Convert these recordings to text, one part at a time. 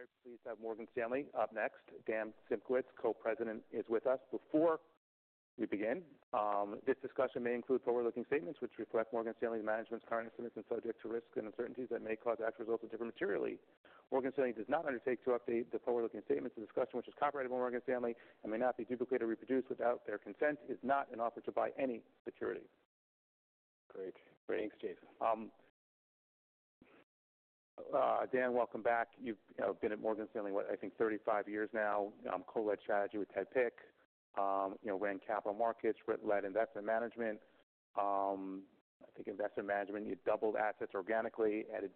Very pleased to have Morgan Stanley up next. Dan Simkowitz, Co-President, is with us. Before we begin, this discussion may include forward-looking statements which reflect Morgan Stanley's management's current estimates and subject to risks and uncertainties that may cause actual results to differ materially. Morgan Stanley does not undertake to update the forward-looking statements. The discussion, which is copyrighted by Morgan Stanley and may not be duplicated or reproduced without their consent, is not an offer to buy any security. Great. Great, thanks, Jason. Dan, welcome back. You've been at Morgan Stanley, what, I think 35 years now. Co-led strategy with Ted Pick, you know, ran Capital Markets, led Investment Management. I think Investment Management, you doubled assets organically, added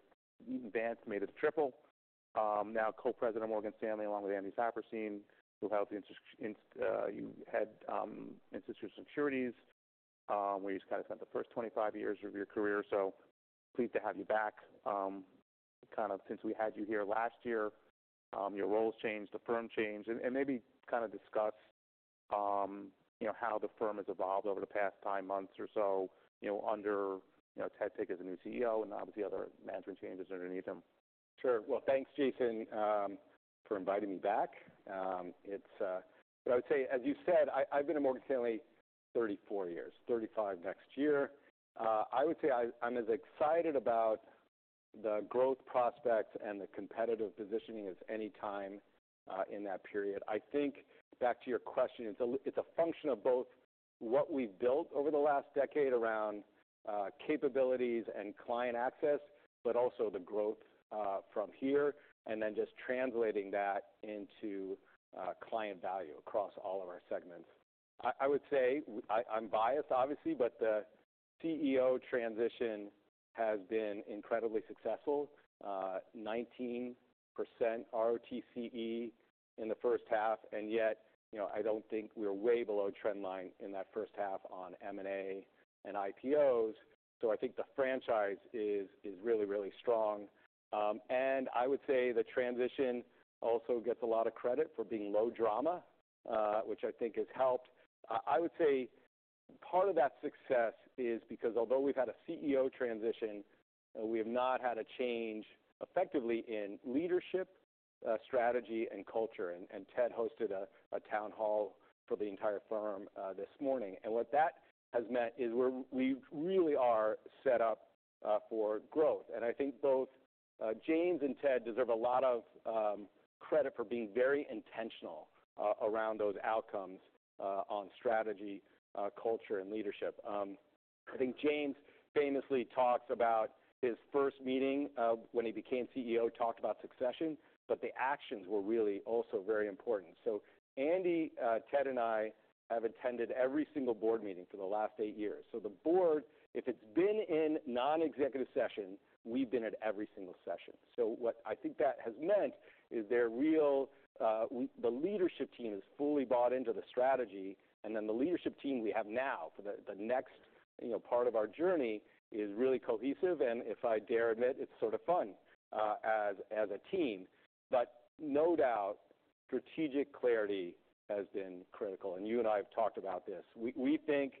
Eaton Vance, made it triple. Now Co-President of Morgan Stanley, along with Andy Saperstein, who helped the insti- inst... You head Institutional Securities, where you kind of spent the first 25 years of your career. So pleased to have you back. Kind of since we had you here last year, your role has changed, the firm changed, and maybe kind of discuss you know, how the firm has evolved over the past nine months or so, you know, under you know, Ted Pick as the new CEO and obviously other management changes underneath him. Sure. Well, thanks, Jason, for inviting me back. So I would say, as you said, I, I've been at Morgan Stanley 34 years, 35 next year. I would say I, I'm as excited about the growth prospects and the competitive positioning as any time in that period. I think back to your question, it's a function of both what we've built over the last decade around capabilities and client access, but also the growth from here, and then just translating that into client value across all of our segments. I would say I, I'm biased, obviously, but the CEO transition has been incredibly successful. 19% ROTCE in the first half, and yet, you know, I don't think we're way below trend line in that first half on M&A and IPOs. I think the franchise is really, really strong. I would say the transition also gets a lot of credit for being low drama, which I think has helped. I would say part of that success is because although we've had a CEO transition, we have not had a change effectively in leadership, strategy, and culture. Ted hosted a town hall for the entire firm this morning. What that has meant is we're set up for growth. I think both James and Ted deserve a lot of credit for being very intentional around those outcomes on strategy, culture, and leadership. I think James famously talks about his first meeting of when he became CEO, talked about succession, but the actions were really also very important. So Andy, Ted, and I have attended every single board meeting for the last eight years. So the board, if it's been in non-executive session, we've been at every single session. So what I think that has meant is there are real, the leadership team is fully bought into the strategy, and then the leadership team we have now for the, the next, you know, part of our journey is really cohesive, and if I dare admit, it's sort of fun, as a team. But no doubt, strategic clarity has been critical, and you and I have talked about this. We think,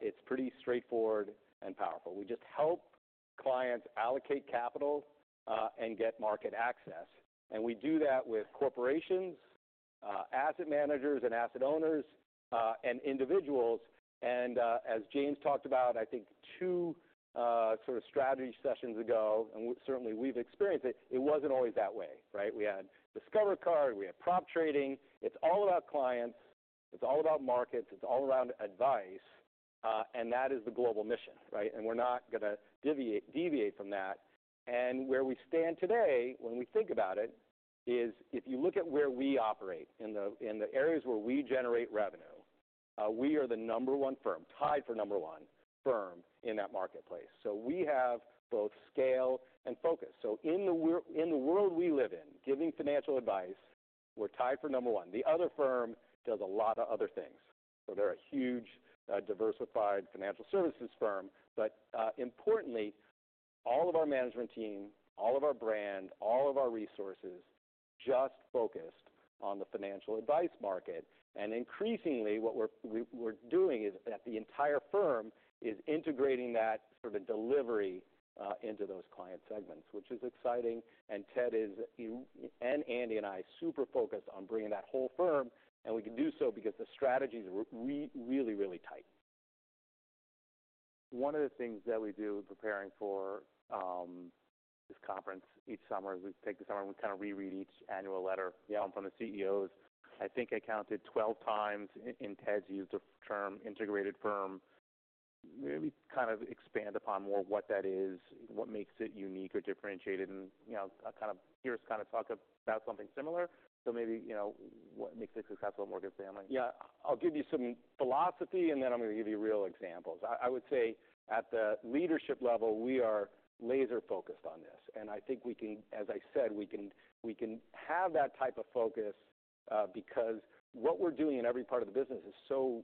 it's pretty straightforward and powerful. We just help clients allocate capital, and get market access. And we do that with corporations, asset managers and asset owners, and individuals. As James talked about, I think two sort of strategy sessions ago, and certainly we've experienced it, it wasn't always that way, right? We had Discover Card, we had prop trading. It's all about clients, it's all about markets, it's all around advice, and that is the global mission, right? We're not going to deviate from that. Where we stand today, when we think about it, is if you look at where we operate, in the areas where we generate revenue, we are the number one firm, tied for number one firm in that marketplace. We have both scale and focus. In the world we live in, giving financial advice, we're tied for number one. The other firm does a lot of other things, so they're a huge diversified financial services firm. Importantly, all of our management team, all of our brand, all of our resources just focused on the financial advice market. Increasingly, what we're doing is that the entire firm is integrating that for the delivery into those client segments, which is exciting. Ted is, and Andy and I, super focused on bringing that whole firm, and we can do so because the strategy is really, really tight. One of the things that we do preparing for this conference each summer is we take the summer and we kind of reread each annual letter- Yeah. From the CEOs. I think I counted 12 times, and Ted's used the term integrated firm. Maybe kind of expand upon more what that is, what makes it unique or differentiated, and, you know, kind of hear us kind of talk about something similar. So maybe, you know, what makes it successful at Morgan Stanley? Yeah. I'll give you some philosophy, and then I'm going to give you real examples. I would say at the leadership level, we are laser focused on this, and I think we can, as I said, have that type of focus, because what we're doing in every part of the business is so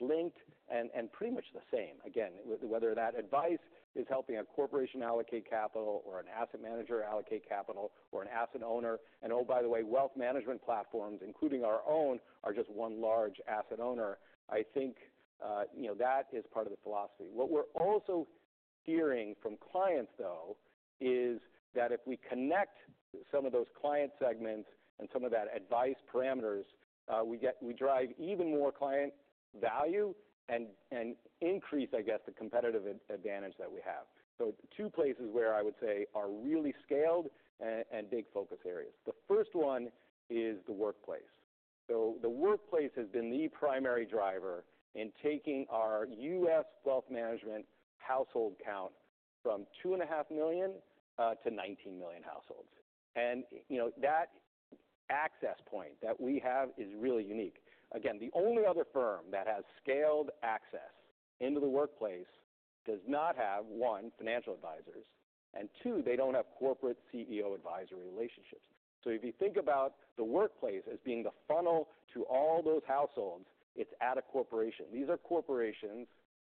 linked and pretty much the same. Again, whether that advice is helping a corporation allocate capital or an asset manager allocate capital, or an asset owner, and oh, by the way, wealth management platforms, including our own, are just one large asset owner. I think, you know, that is part of the philosophy. What we're also-... Hearing from clients, though, is that if we connect some of those client segments and some of that advice parameters, we drive even more client value and increase, I guess, the competitive advantage that we have. Two places where I would say are really scaled and big focus areas. The first one is the workplace. The workplace has been the primary driver in taking our U.S. wealth management household count from 2.5 million to 19 million households. And, you know, that access point that we have is really unique. Again, the only other firm that has scaled access into the workplace does not have, one, financial advisors, and two, they don't have corporate CEO advisory relationships. If you think about the workplace as being the funnel to all those households, it's at a corporation. These are corporations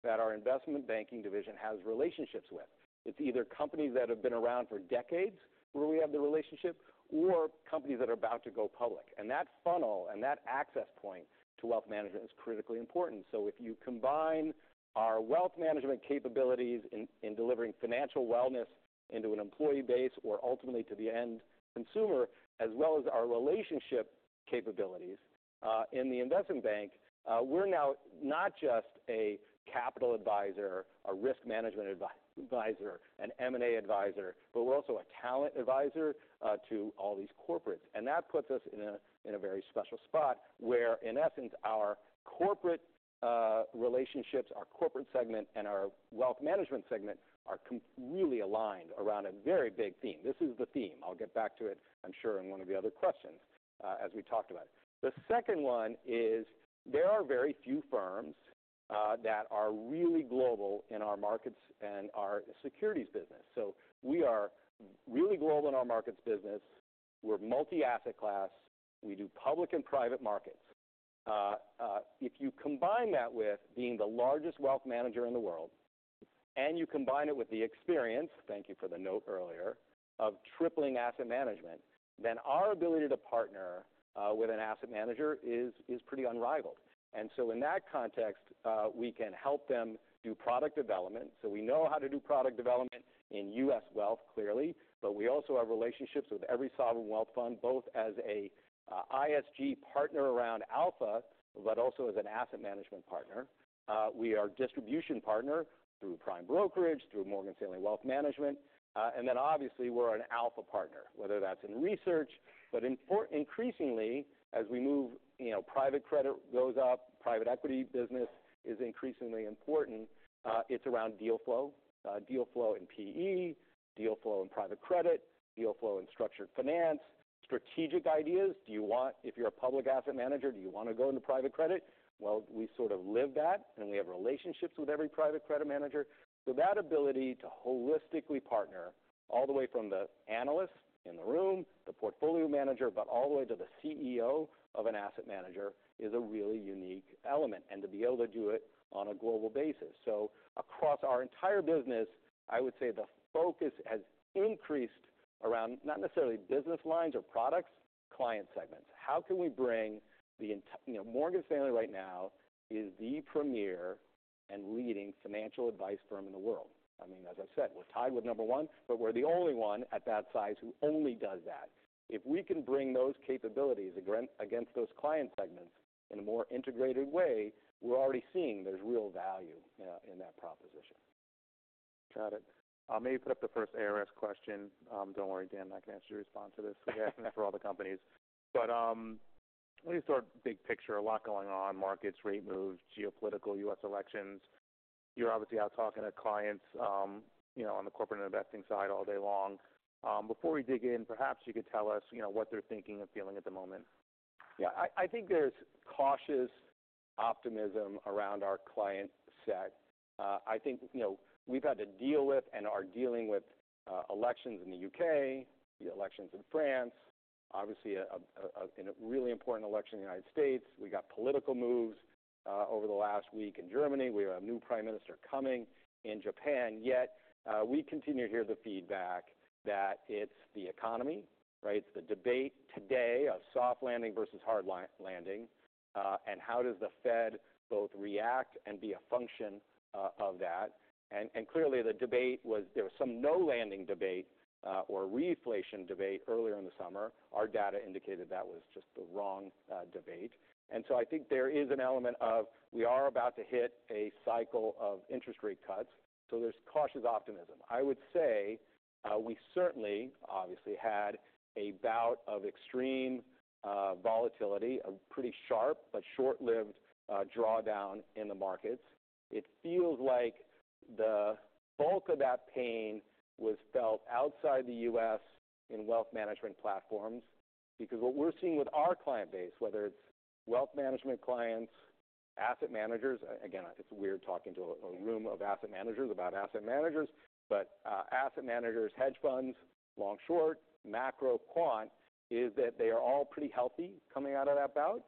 that our investment banking division has relationships with. It's either companies that have been around for decades, where we have the relationship, or companies that are about to go public, and that funnel and that access point to wealth management is critically important. So if you combine our wealth management capabilities in delivering financial wellness into an employee base or ultimately to the end consumer, as well as our relationship capabilities in the investment bank, we're now not just a capital advisor, a risk management advisor, an M&A advisor, but we're also a talent advisor to all these corporates, and that puts us in a very special spot where, in essence, our corporate relationships, our corporate segment, and our wealth management segment are really aligned around a very big theme. This is the theme. I'll get back to it, I'm sure, in one of the other questions, as we talked about it. The second one is, there are very few firms that are really global in our markets and our securities business. So we are really global in our markets business. We're multi-asset class. We do public and private markets. If you combine that with being the largest wealth manager in the world, and you combine it with the experience, thank you for the note earlier, of tripling asset management, then our ability to partner with an asset manager is pretty unrivaled. And so in that context, we can help them do product development. So we know how to do product development in U.S. Wealth, clearly, but we also have relationships with every sovereign wealth fund, both as a ISG partner around Alpha, but also as an asset management partner. We are a distribution partner through prime brokerage, through Morgan Stanley Wealth Management. And then obviously, we're an Alpha partner, whether that's in research, but increasingly, as we move, you know, private credit goes up, private equity business is increasingly important, it's around deal flow. Deal flow in PE, deal flow in private credit, deal flow in structured finance. Strategic ideas, do you want. If you're a public asset manager, do you want to go into private credit? Well, we sort of live that, and we have relationships with every private credit manager. That ability to holistically partner all the way from the analyst in the room, the portfolio manager, but all the way to the CEO of an asset manager, is a really unique element, and to be able to do it on a global basis. Across our entire business, I would say the focus has increased around not necessarily business lines or products, client segments. You know, Morgan Stanley right now is the premier and leading financial advice firm in the world. I mean, as I said, we're tied with number one, but we're the only one at that size who only does that. If we can bring those capabilities against those client segments in a more integrated way, we're already seeing there's real value in that proposition. Got it. I may put up the first ARS question. Don't worry, Dan, I can ask you to respond to this again for all the companies. But, at least our big picture, a lot going on, markets, rate moves, geopolitical, U.S. elections. You're obviously out talking to clients, you know, on the corporate and investing side all day long. Before we dig in, perhaps you could tell us, you know, what they're thinking or feeling at the moment. Yeah, I think there's cautious optimism around our client set. I think, you know, we've had to deal with and are dealing with elections in the U.K., the elections in France, obviously, and a really important election in the United States. We got political moves over the last week in Germany. We have a new prime minister coming in Japan, yet we continue to hear the feedback that it's the economy, right? It's the debate today of soft landing versus hard landing, and how does the Fed both react and be a function of that. And clearly, the debate was... There was some no-landing debate or reflation debate earlier in the summer. Our data indicated that was just the wrong debate. And so I think there is an element of we are about to hit a cycle of interest rate cuts, so there's cautious optimism. I would say, we certainly, obviously, had a bout of extreme volatility, a pretty sharp but short-lived drawdown in the markets. It feels like the bulk of that pain was felt outside the U.S. in wealth management platforms, because what we're seeing with our client base, whether it's wealth management clients, asset managers, again, it's weird talking to a room of asset managers about asset managers, but, asset managers, hedge funds, long-short, macro quant, is that they are all pretty healthy coming out of that bout,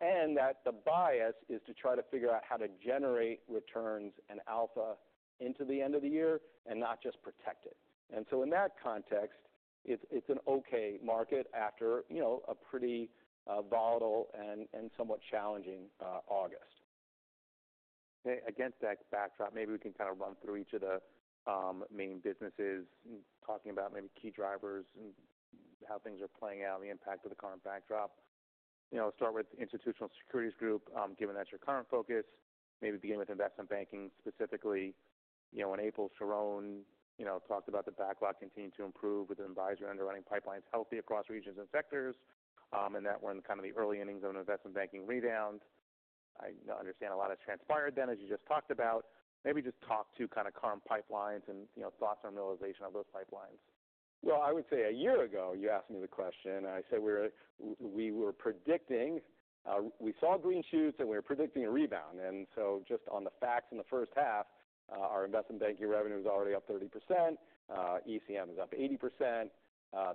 and that the bias is to try to figure out how to generate returns and alpha into the end of the year and not just protect it. And so in that context-... It's an okay market after, you know, a pretty volatile and somewhat challenging August. Okay. Against that backdrop, maybe we can kind of run through each of the main businesses, talking about maybe key drivers and how things are playing out and the impact of the current backdrop. You know, start with Institutional Securities Group, given that's your current focus, maybe begin with investment banking, specifically. You know, in April, Sharon, you know, talked about the backlog continuing to improve with the advisory underwriting pipelines healthy across regions and sectors, and that we're in kind of the early innings of an investment banking rebound. I understand a lot has transpired since then, as you just talked about. Maybe just talk to kind of current pipelines and, you know, thoughts on realization of those pipelines. I would say a year ago, you asked me the question, and I said we were predicting. We saw green shoots, and we were predicting a rebound, so just on the facts in the first half, our investment banking revenue is already up 30%. ECM is up 80%.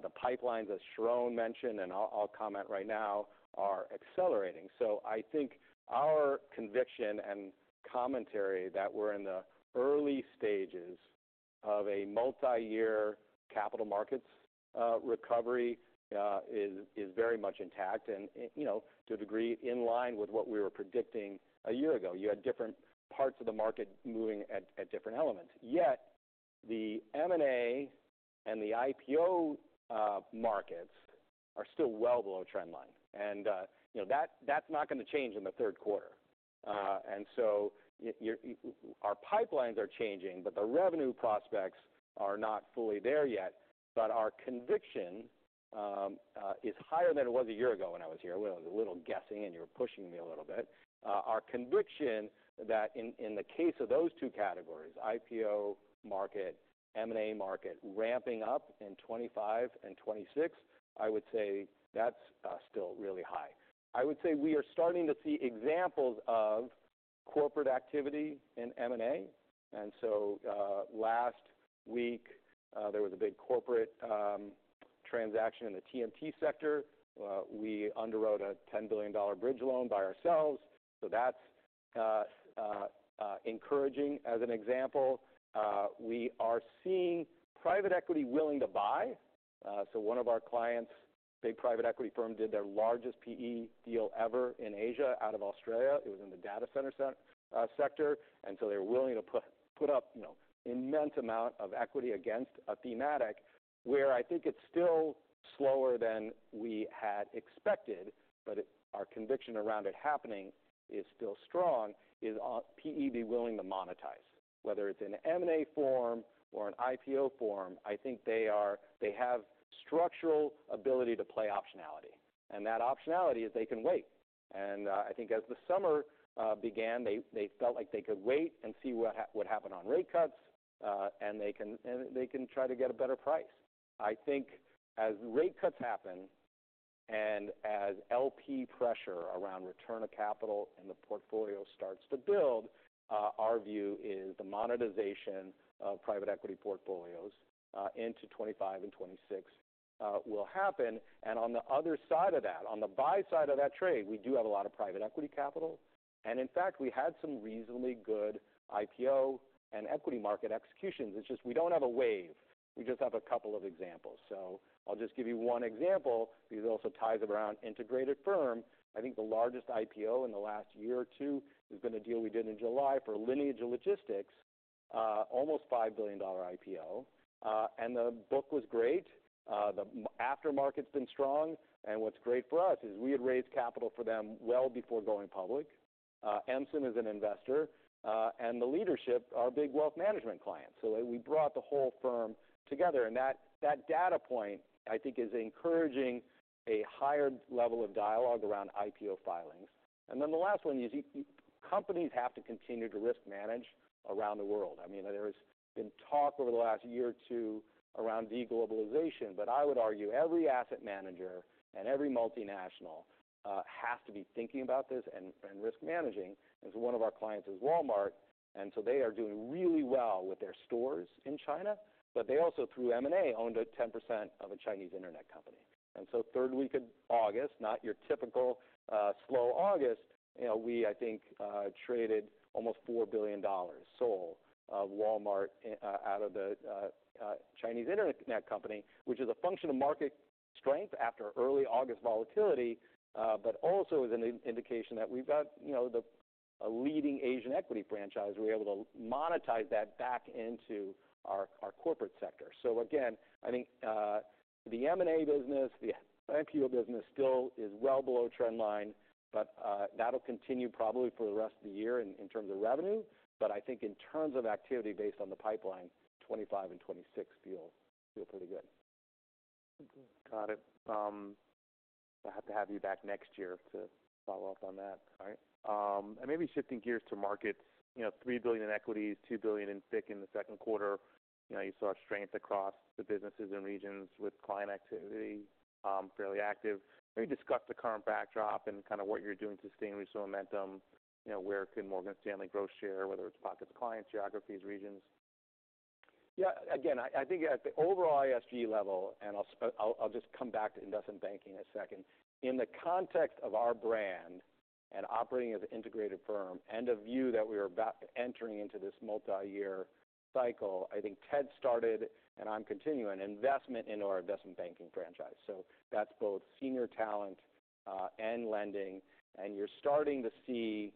The pipelines, as Sharon mentioned, and I'll comment right now, are accelerating, so I think our conviction and commentary that we're in the early stages of a multiyear capital markets recovery is very much intact and, you know, to a degree, in line with what we were predicting a year ago. You had different parts of the market moving at different elements. Yet, the M&A and the IPO markets are still well below trend line, and you know that's not going to change in the third quarter, and so our pipelines are changing, but the revenue prospects are not fully there yet, but our conviction is higher than it was a year ago when I was here, well, a little guessing, and you were pushing me a little bit. Our conviction that in the case of those two categories, IPO market, M&A market, ramping up in 2025 and 2026, I would say that's still really high. I would say we are starting to see examples of corporate activity in M&A, and so last week there was a big corporate transaction in the TMT sector. We underwrote a $10 billion bridge loan by ourselves, so that's encouraging. As an example, we are seeing private equity willing to buy. So one of our clients, big private equity firm, did their largest PE deal ever in Asia, out of Australia. It was in the data center sector, and so they were willing to put up, you know, immense amount of equity against a thematic, where I think it's still slower than we had expected, but it, our conviction around it happening is still strong, is PE be willing to monetize. Whether it's in M&A form or an IPO form, I think they are, they have structural ability to play optionality, and that optionality is they can wait. I think as the summer began, they felt like they could wait and see what happened on rate cuts, and they can try to get a better price. I think as rate cuts happen and as LP pressure around return of capital and the portfolio starts to build, our view is the monetization of private equity portfolios into 2025 and 2026 will happen. On the other side of that, on the buy side of that trade, we do have a lot of private equity capital, and in fact, we had some reasonably good IPO and equity market executions. It's just we don't have a wave. We just have a couple of examples. I'll just give you one example, because it also ties around integrated firm. I think the largest IPO in the last year or two has been a deal we did in July for Lineage Logistics, almost $5 billion IPO. And the book was great. The after-market's been strong, and what's great for us is we had raised capital for them well before going public. MSIM is an investor, and the leadership, our big wealth management clients. So we brought the whole firm together, and that data point, I think, is encouraging a higher level of dialogue around IPO filings. And then the last one is companies have to continue to risk manage around the world. I mean, there's been talk over the last year or two around de-globalization, but I would argue every asset manager and every multinational has to be thinking about this and risk managing. As one of our clients is Walmart, and so they are doing really well with their stores in China, but they also, through M&A, owned 10% of a Chinese internet company. And so third week of August, not your typical slow August, you know, we, I think, traded almost $4 billion sold Walmart out of the Chinese internet company, which is a function of market strength after early August volatility, but also is an indication that we've got, you know, a leading Asian equity franchise. We're able to monetize that back into our corporate sector. So again, I think, the M&A business, the IPO business still is well below trend line, but, that'll continue probably for the rest of the year in terms of revenue. I think in terms of activity based on the pipeline, 2025 and 2026 feel pretty good. Got it. I'll have to have you back next year to follow up on that, all right? And maybe shifting gears to markets, you know, $3 billion in equities, $2 billion in FICC in the second quarter. You know, you saw strength across the businesses and regions with client activity fairly active. Can you discuss the current backdrop and kind of what you're doing to sustain recent momentum? You know, where can Morgan Stanley grow share, whether it's pockets of clients, geographies, regions? Yeah, again, I think at the overall ISG level, and I'll just come back to investment banking in a second. In the context of our brand and operating as an integrated firm and a view that we are about entering into this multi-year cycle, I think Ted started, and I'm continuing, investment into our investment banking franchise. So that's both senior talent and lending, and you're starting to see,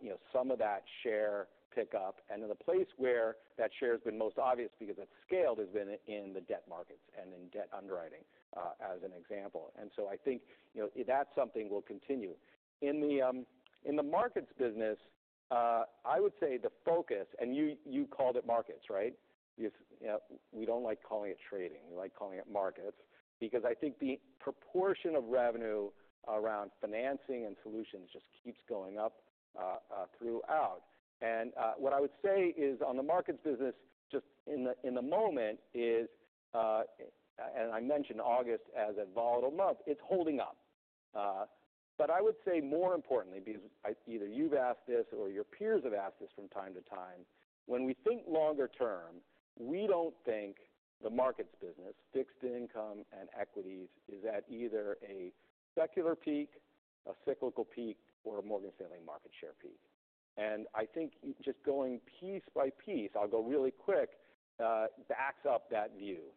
you know, some of that share pick up. And in the place where that share has been most obvious because it's scaled, has been in the debt markets and in debt underwriting, as an example. And so I think, you know, that's something we'll continue. In the markets business, I would say the focus, and you called it markets, right? If, you know, we don't like calling it trading, we like calling it markets, because I think the proportion of revenue around financing and solutions just keeps going up, throughout. And, what I would say is on the markets business, just in the, in the moment, is, and I mentioned August as a volatile month, it's holding up. But I would say more importantly, because either you've asked this or your peers have asked this from time to time, when we think longer term, we don't think the markets business, fixed income and equities, is at either a secular peak, a cyclical peak, or a Morgan Stanley market share peak. And I think just going piece by piece, I'll go really quick, backs up that view.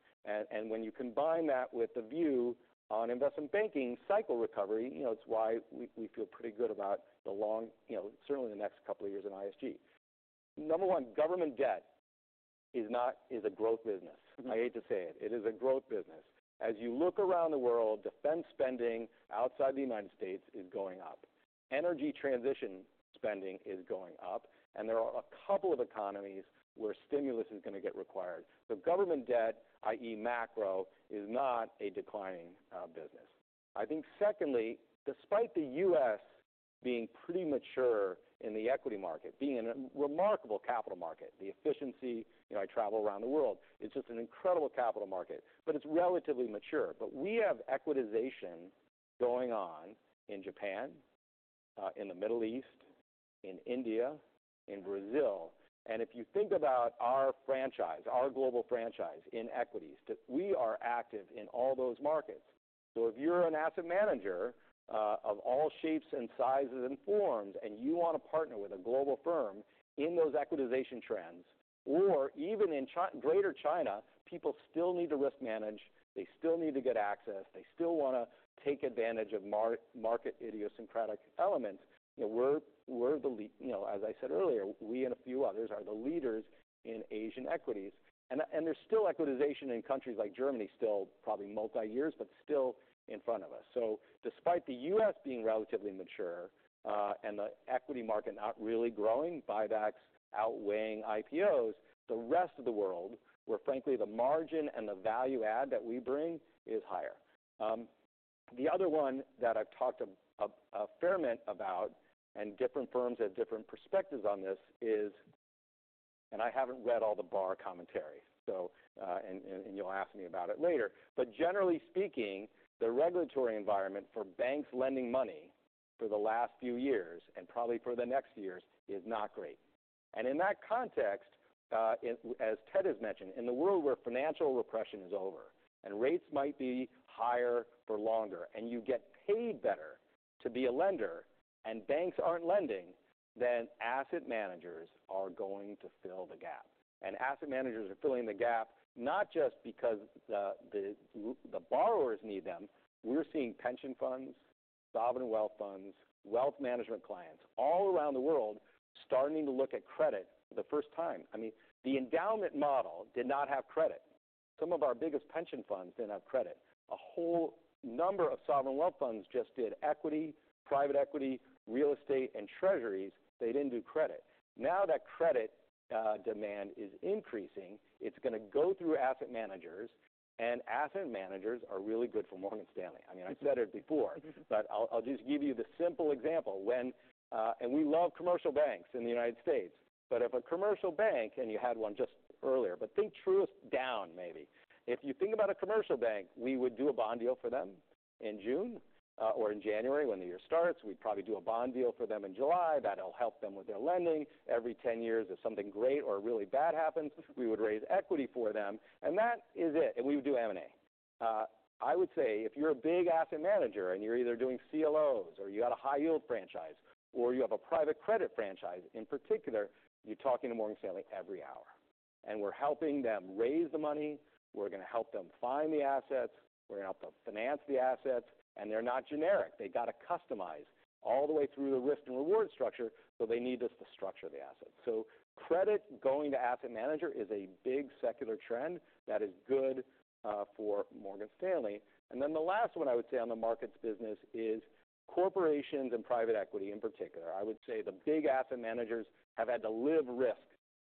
When you combine that with the view on investment banking, cycle recovery, you know, it's why we feel pretty good about the long, you know, certainly the next couple of years in ISG. Number one, government debt is not... is a growth business. I hate to say it. It is a growth business. As you look around the world, defense spending outside the United States is going up. Energy transition spending is going up, and there are a couple of economies where stimulus is going to get required. So government debt, i.e., macro, is not a declining business. I think secondly, despite the US being pretty mature in the equity market, being a remarkable capital market, the efficiency, you know, I travel around the world, it's just an incredible capital market, but it's relatively mature. But we have equitization going on in Japan, in the Middle East, in India, in Brazil. And if you think about our franchise, our global franchise in equities, that we are active in all those markets. So if you're an asset manager, of all shapes and sizes and forms, and you want to partner with a global firm in those equitization trends, or even in Greater China, people still need to risk manage, they still need to get access, they still want to take advantage of market idiosyncratic elements. We're the leader, you know, as I said earlier, we and a few others are the leaders in Asian equities. And there's still equitization in countries like Germany, still probably multi-years, but still in front of us. So despite the U.S. being relatively mature, and the equity market not really growing, buybacks outweighing IPOs, the rest of the world, where frankly, the margin and the value add that we bring is higher. The other one that I've talked a fair amount about, and different firms have different perspectives on this, is... and I haven't read all the Bar commentaries, so, and you'll ask me about it later. But generally speaking, the regulatory environment for banks lending money for the last few years, and probably for the next years, is not great. And in that context, as Ted has mentioned, in the world where financial repression is over and rates might be higher for longer, and you get paid better to be a lender, and banks aren't lending, then asset managers are going to fill the gap. Asset managers are filling the gap, not just because the borrowers need them. We're seeing pension funds, sovereign wealth funds, wealth management clients all around the world starting to look at credit the first time. I mean, the endowment model did not have credit. Some of our biggest pension funds didn't have credit. A whole number of sovereign wealth funds just did equity, private equity, real estate, and treasuries. They didn't do credit. Now that credit demand is increasing, it's going to go through asset managers, and asset managers are really good for Morgan Stanley. I mean, I've said it before, but I'll just give you the simple example. When and we love commercial banks in the United States, but if a commercial bank, and you had one just earlier, but think truth down, maybe. If you think about a commercial bank, we would do a bond deal for them in June, or in January when the year starts. We'd probably do a bond deal for them in July. That'll help them with their lending every ten years. If something great or really bad happens, we would raise equity for them, and that is it. And we would do M&A. I would say if you're a big asset manager and you're either doing CLOs or you got a high yield franchise, or you have a private credit franchise in particular, you're talking to Morgan Stanley every hour. And we're helping them raise the money. We're going to help them find the assets. We're going to help them finance the assets, and they're not generic. They got to customize all the way through the risk and reward structure, so they need us to structure the assets. So credit going to asset manager is a big secular trend that is good for Morgan Stanley. And then the last one I would say on the markets business is corporations and private equity in particular. I would say the big asset managers have had to live risk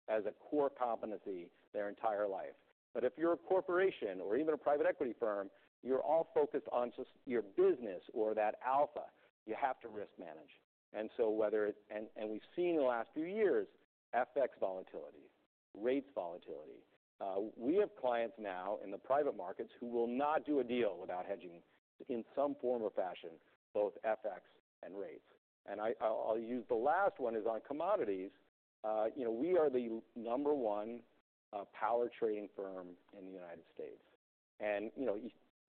as a core competency their entire life. But if you're a corporation or even a private equity firm, you're all focused on just your business or that alpha. You have to risk manage. And so we've seen in the last few years, FX volatility, rates volatility. We have clients now in the private markets who will not do a deal without hedging in some form or fashion, both FX and rates. I'll use the last one is on commodities. You know, we are the number one power trading firm in the United States, and you know,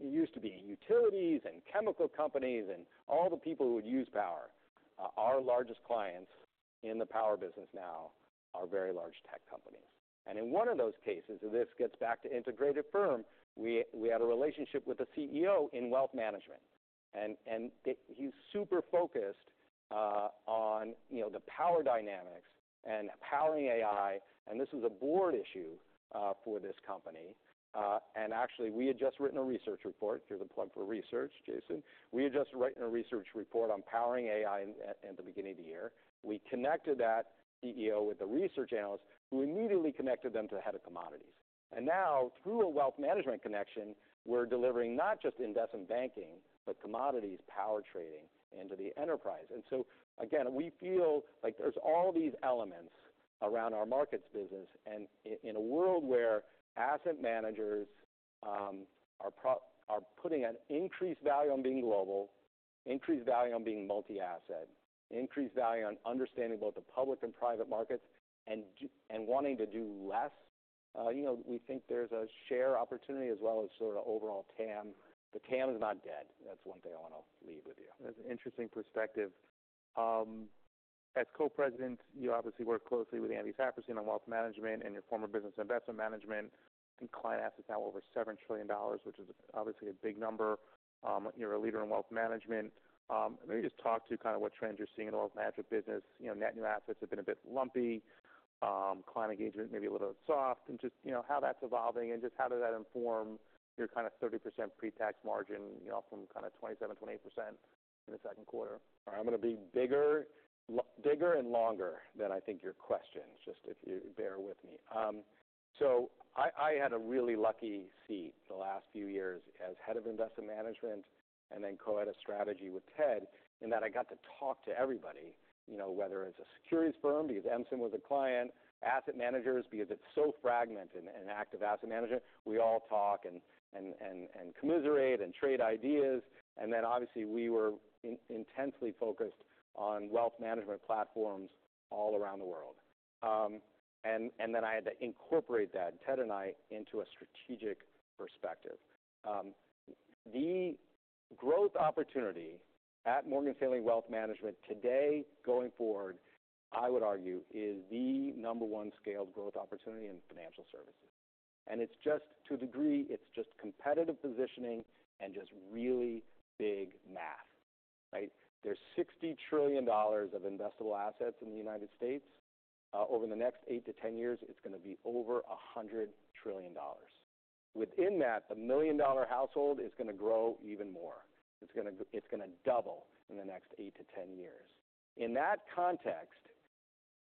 it used to be utilities and chemical companies and all the people who would use power. Our largest clients in the power business now are very large tech companies. And in one of those cases, and this gets back to integrated firm, we had a relationship with the CEO in wealth management, and he's super focused on, you know, the power dynamics and powering AI, and this is a board issue for this company. And actually, we had just written a research report. Here's a plug for research, Jason. We had just written a research report on powering AI at the beginning of the year. We connected that CEO with a research analyst, who immediately connected them to the head of commodities. And now, through a wealth management connection, we're delivering not just investment banking, but commodities, power trading into the enterprise. And so again, we feel like there's all these elements around our markets business, and in a world where asset managers are putting an increased value on being global, increased value on being multi-asset, increased value on understanding both the public and private markets, and wanting to do less, you know, we think there's a share opportunity as well as sort of overall TAM. The TAM is not dead. That's one thing I want to leave with you. That's an interesting perspective. As co-president, you obviously work closely with Andy Saperstein on wealth management and your former business investment management, and client assets now over $7 trillion, which is obviously a big number. You're a leader in wealth management. Maybe just talk to kind of what trends you're seeing in the wealth management business. You know, net new assets have been a bit lumpy, client engagement, maybe a little soft, and just, you know, how that's evolving and just how does that inform your kind of 30% pretax margin, you know, from kind of 27%-28% in the second quarter? I'm going to be bigger and longer than I think your question. Just if you bear with me. So I had a really lucky seat the last few years as head of investment management and then co-head of strategy with Ted, in that I got to talk to everybody, you know, whether it's a securities firm, because MSIM was a client, asset managers, because it's so fragmented in active asset management. We all talk and commiserate and trade ideas, and then obviously, we were intensely focused on wealth management platforms all around the world, and then I had to incorporate that, Ted and I, into a strategic perspective. The growth opportunity at Morgan Stanley Wealth Management today, going forward, I would argue, is the number one scaled growth opportunity in financial services. It's just to a degree. It's just competitive positioning and just really big math, right? There's $60 trillion of investable assets in the United States. Over the next eight to 10 years, it's going to be over $100 trillion. Within that, the million-dollar household is going to grow even more. It's gonna double in the next eight to 10 years. In that context,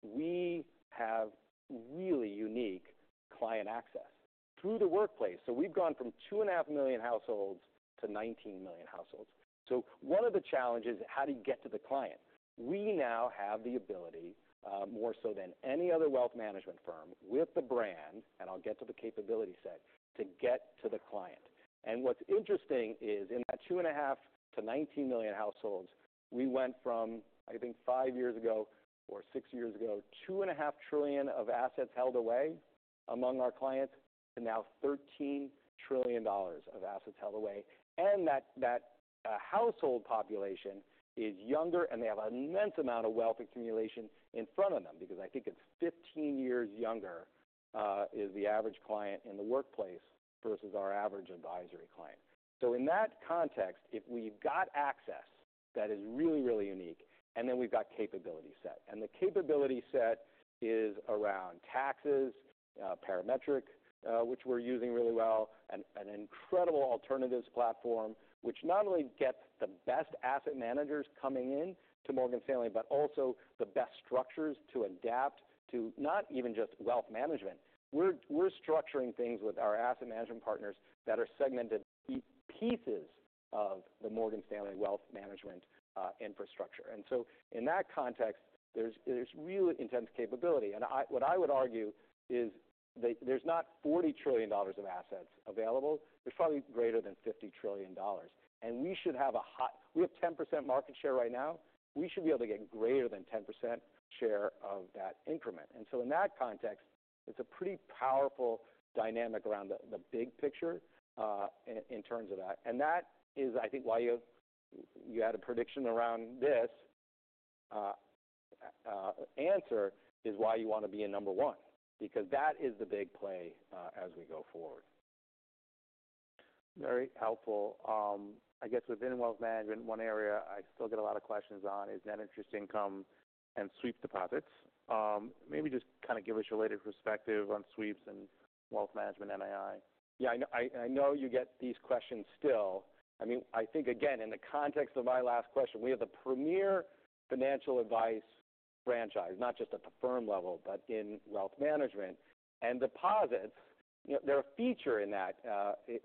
we have really unique client access through the workplace. So we've gone from 2.5 million households to 19 million households. So one of the challenges is how do you get to the client? We now have the ability, more so than any other wealth management firm with the brand, and I'll get to the capability set, to get to the client. What's interesting is in that 2.5 million to 19 million households, we went from, I think 5 years ago or 6 years ago, $2.5 trillion of assets held away among our clients, and now $13 trillion of assets held away. And that household population is younger, and they have immense amount of wealth accumulation in front of them, because I think it's 15 years younger is the average client in the workplace versus our average advisory client. So in that context, if we've got access, that is really, really unique, and then we've got capability set. The capability set is around taxes, Parametric, which we're using really well, and an incredible alternatives platform, which not only gets the best asset managers coming in to Morgan Stanley, but also the best structures to adapt to not even just wealth management. We're structuring things with our asset management partners that are segmented pieces of the Morgan Stanley Wealth Management infrastructure. So in that context, there's really intense capability. What I would argue is that there's not $40 trillion of assets available, there's probably greater than $50 trillion, and we have 10% market share right now. We should be able to get greater than 10% share of that increment. So in that context, it's a pretty powerful dynamic around the big picture in terms of that. That is, I think, why you had a prediction around this answer, is why you want to be a number one, because that is the big play as we go forward. Very helpful. I guess within wealth management, one area I still get a lot of questions on is net interest income and sweep deposits. Maybe just kind of give us your latest perspective on sweeps and wealth management NII. Yeah, I know, I know you get these questions still. I mean, I think again, in the context of my last question, we are the premier financial advice franchise, not just at the firm level, but in wealth management. And deposits. You know, they're a feature in that,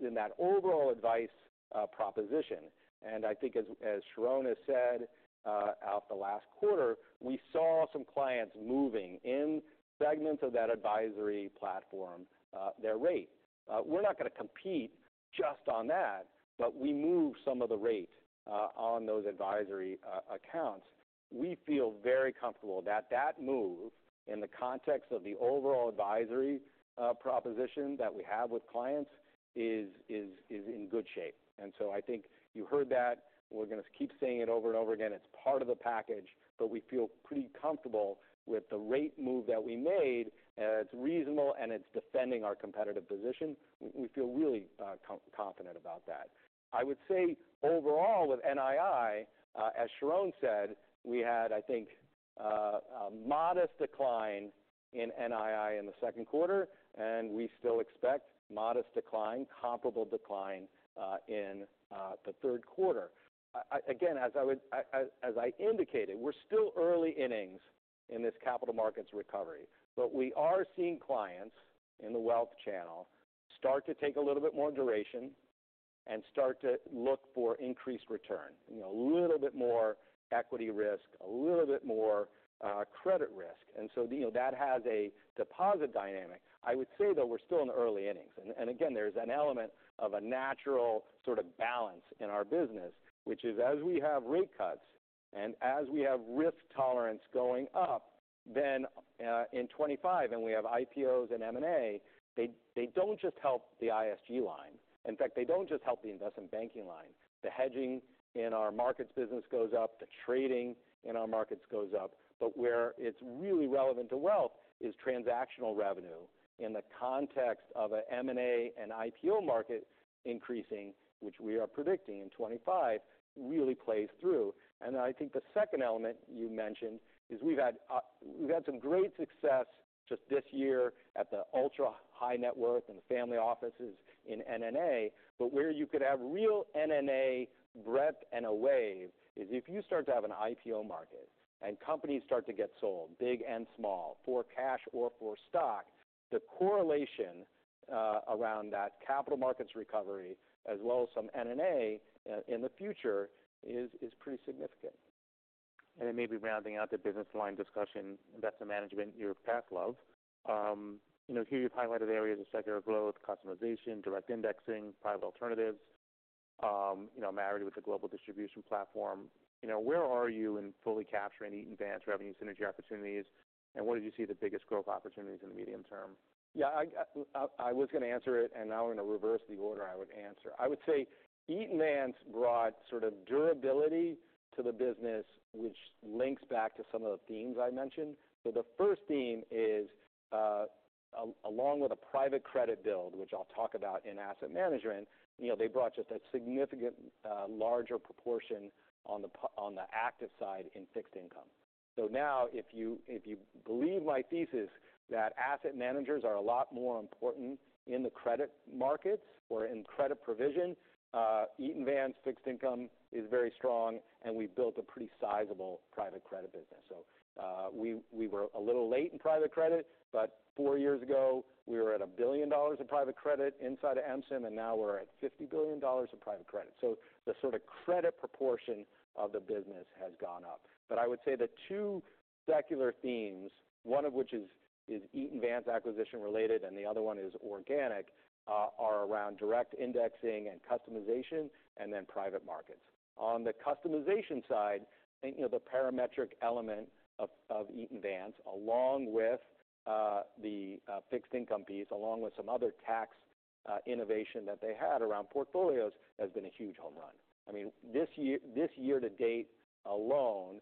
in that overall advice proposition. And I think as Sharon has said, in the last quarter, we saw some clients moving in segments of that advisory platform, their rate. We're not gonna compete just on that, but we moved some of the rate on those advisory accounts. We feel very comfortable that that move, in the context of the overall advisory proposition that we have with clients, is in good shape. And so I think you heard that. We're gonna keep saying it over and over again. It's part of the package, but we feel pretty comfortable with the rate move that we made. It's reasonable, and it's defending our competitive position. We feel really confident about that. I would say, overall, with NII, as Sharon said, we had, I think, a modest decline in NII in the second quarter, and we still expect modest decline, comparable decline, in the third quarter. I again, as I indicated, we're still early innings in this capital markets recovery. But we are seeing clients in the wealth channel start to take a little bit more duration and start to look for increased return. You know, a little bit more equity risk, a little bit more credit risk. And so, you know, that has a deposit dynamic. I would say, though, we're still in the early innings. Again, there’s an element of a natural sort of balance in our business, which is, as we have rate cuts and as we have risk tolerance going up, then, in 2025, and we have IPOs and M&A, they, they don’t just help the ISG line. In fact, they don’t just help the investment banking line. The hedging in our markets business goes up, the trading in our markets goes up. But where it’s really relevant to wealth is transactional revenue in the context of a M&A and IPO market increasing, which we are predicting in 2025, really plays through. And I think the second element you mentioned is we’ve had, we’ve had some great success just this year at the ultra-high net worth and family offices in NNA. But where you could have real NNA breadth and a wave is if you start to have an IPO market, and companies start to get sold, big and small, for cash or for stock. The correlation around that capital markets recovery, as well as some NNA in the future, is pretty significant. Then maybe rounding out the business line discussion, investment management. You know, here you've highlighted areas of secular growth, customization, direct indexing, private alternatives, you know, married with the global distribution platform. You know, where are you in fully capturing Eaton Vance revenue synergy opportunities, and where did you see the biggest growth opportunities in the medium term? Yeah, I, I was gonna answer it, and now I'm gonna reverse the order I would answer. I would say, Eaton Vance brought sort of durability to the business, which links back to some of the themes I mentioned. So the first theme is, along with a private credit build, which I'll talk about in asset management, you know, they brought just a significant, larger proportion on the active side in fixed income. So now, if you believe my thesis that asset managers are a lot more important in the credit markets or in credit provision, Eaton Vance fixed income is very strong, and we've built a pretty sizable private credit business. So, we were a little late in private credit, but four years ago, we were at $1 billion of private credit inside of MSIM, and now we're at $50 billion of private credit. So the sort of credit proportion of the business has gone up. But I would say the two secular themes, one of which is Eaton Vance acquisition-related, and the other one is organic, are around direct indexing and customization and then private markets. On the customization side, think of the Parametric element of Eaton Vance, along with the fixed income piece, along with some other tax innovation that they had around portfolios, has been a huge home run. I mean, this year, this year to date alone,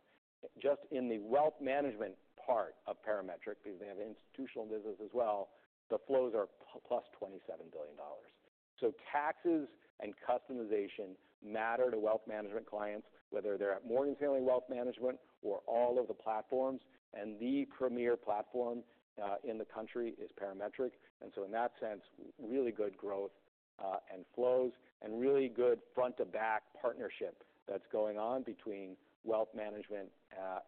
just in the wealth management part of Parametric, because they have institutional business as well, the flows are plus $27 billion. So taxes and customization matter to wealth management clients, whether they're at Morgan Stanley Wealth Management or all of the platforms, and the premier platform in the country is Parametric. And so in that sense, really good growth and flows, and really good front-to-back partnership that's going on between wealth management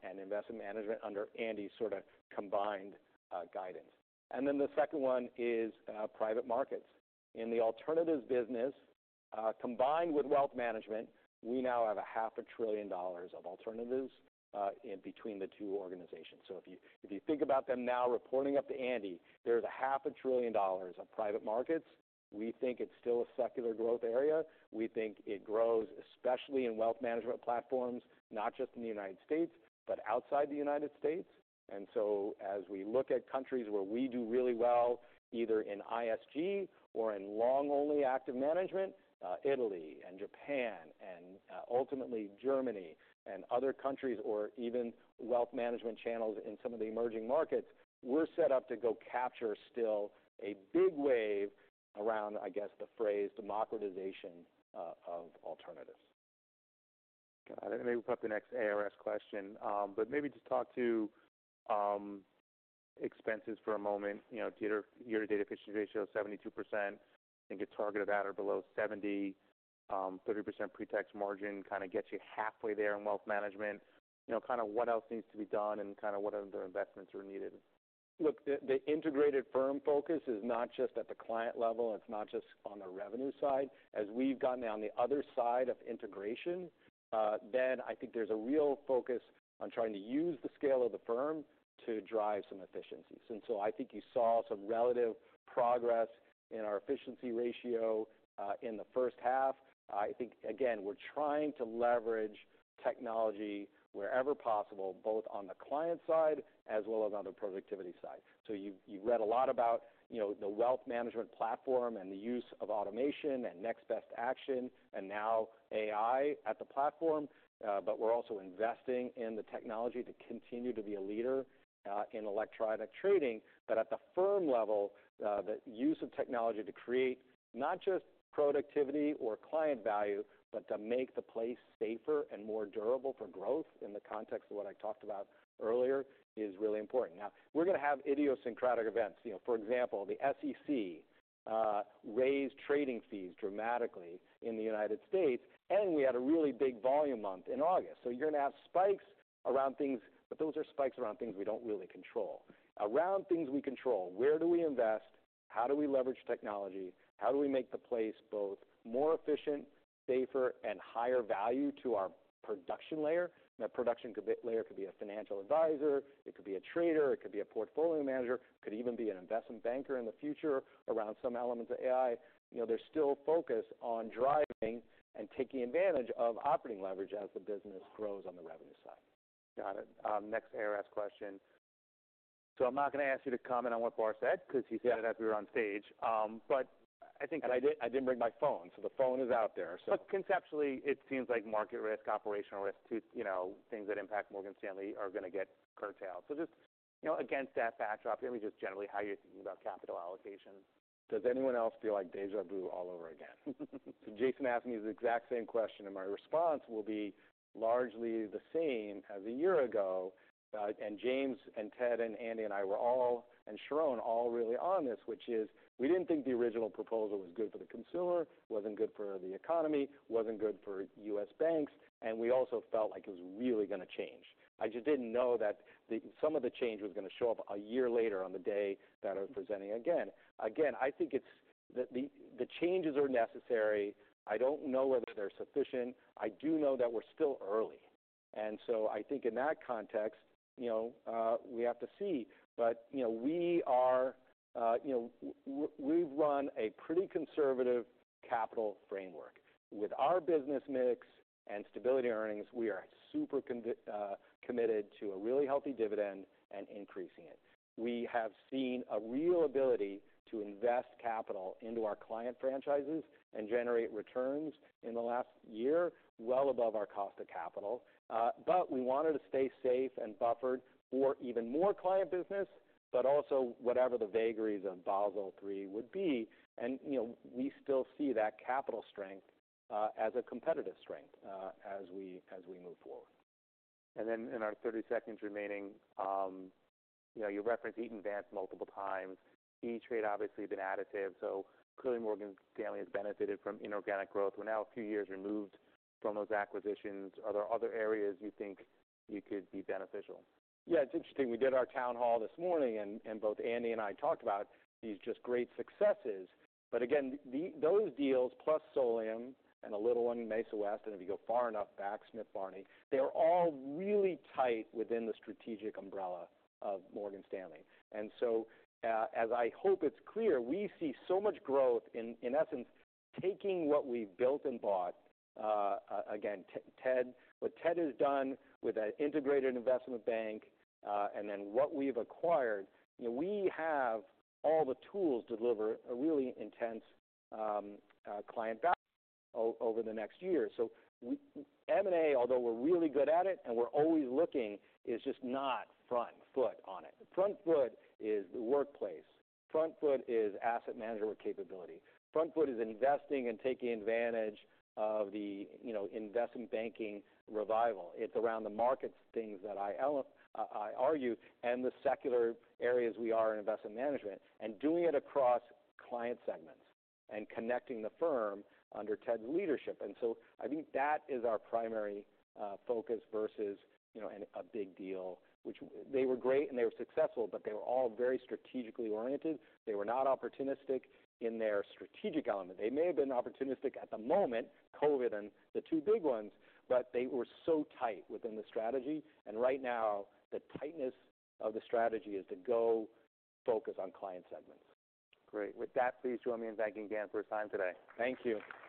and investment management under Andy's sort of combined guidance. And then the second one is private markets. In the alternatives business combined with wealth management, we now have $500 billion of alternatives in between the two organizations. If you think about them now reporting up to Andy, there's $500 billion of private markets. We think it's still a secular growth area. We think it grows, especially in wealth management platforms, not just in the United States, but outside the United States. As we look at countries where we do really well, either in ISG or in long-only active management, Italy and Japan and ultimately Germany and other countries, or even wealth management channels in some of the emerging markets, we're set up to go capture still a big wave around, I guess, the phrase, democratization of alternatives. Got it. Let me pull up the next ARS question. But maybe just talk to expenses for a moment. You know, year-to-date efficiency ratio, 72%, I think you targeted at or below 70%. 30% pretax margin kind of gets you halfway there in wealth management. You know, kind of what else needs to be done, and kind of what other investments are needed? Look, the integrated firm focus is not just at the client level, and it's not just on the revenue side. As we've gotten on the other side of integration, then I think there's a real focus on trying to use the scale of the firm to drive some efficiencies. And so I think you saw some relative progress in our efficiency ratio in the first half. I think, again, we're trying to leverage technology wherever possible, both on the client side as well as on the productivity side. So you've read a lot about, you know, the wealth management platform and the use of automation and next best action, and now AI at the platform, but we're also investing in the technology to continue to be a leader in electronic trading. But at the firm level, the use of technology to create not just productivity or client value, but to make the place safer and more durable for growth in the context of what I talked about earlier, is really important. Now, we're going to have idiosyncratic events. You know, for example, the SEC raised trading fees dramatically in the United States, and we had a really big volume month in August. So you're going to have spikes around things, but those are spikes around things we don't really control. Around things we control, where do we invest? How do we leverage technology? How do we make the place both more efficient, safer, and higher value to our production layer? And that production could be layer, could be a financial advisor, it could be a trader, it could be a portfolio manager, it could even be an investment banker in the future around some elements of AI. You know, there's still focus on driving and taking advantage of operating leverage as the business grows on the revenue side. Got it. Next ARS question. So I'm not going to ask you to comment on what Bar said, because he said it as we were on stage. But I think- I did, I didn't bring my phone, so the phone is out there, so. But conceptually, it seems like market risk, operational risk, you know, things that impact Morgan Stanley are going to get curtailed. So just, you know, against that backdrop, maybe just generally, how you're thinking about capital allocation? Does anyone else feel like déjà vu all over again? So Jason asked me the exact same question, and my response will be largely the same as a year ago. And James and Ted and Andy and I were all, and Sharon, all really on this, which is we didn't think the original proposal was good for the consumer, wasn't good for the economy, wasn't good for U.S. banks, and we also felt like it was really going to change. I just didn't know that some of the change was going to show up a year later on the day that I was presenting again. Again, I think it's the changes are necessary. I don't know whether they're sufficient. I do know that we're still early, and so I think in that context, you know, we have to see. You know, we are, you know, we run a pretty conservative capital framework. With our business mix and stable earnings, we are super committed to a really healthy dividend and increasing it. We have seen a real ability to invest capital into our client franchises and generate returns in the last year, well above our cost of capital, but we wanted to stay safe and buffered for even more client business, but also whatever the vagaries of Basel III would be. You know, we still see that capital strength as a competitive strength, as we move forward. Then in our 30 seconds remaining, you know, you referenced Eaton Vance multiple times. E*TRADE obviously been additive, so clearly Morgan Stanley has benefited from inorganic growth. We're now a few years removed from those acquisitions. Are there other areas you think you could be beneficial? Yeah, it's interesting. We did our town hall this morning, and both Andy and I talked about these just great successes. But again, those deals, plus Solium and a little one, Mesa West, and if you go far enough back, Smith Barney, they're all really tight within the strategic umbrella of Morgan Stanley. And so, as I hope it's clear, we see so much growth in essence, taking what we've built and bought, again, Ted, what Ted has done with an integrated investment bank, and then what we've acquired, we have all the tools to deliver a really intense client value over the next year. So we M&A, although we're really good at it and we're always looking, is just not front foot on it. Front foot is the workplace. Front foot is asset management capability. Front foot is investing and taking advantage of the, you know, investment banking revival. It's around the market, things that I argue, and the secular areas we are in investment management, and doing it across client segments and connecting the firm under Ted's leadership. And so I think that is our primary focus versus, you know, a big deal, which they were great and they were successful, but they were all very strategically oriented. They were not opportunistic in their strategic element. They may have been opportunistic at the moment, COVID and the two big ones, but they were so tight within the strategy, and right now, the tightness of the strategy is to go focus on client segments. Great. With that, please join me in thanking Dan for his time today. Thank you.